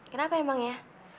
kenapa emang ya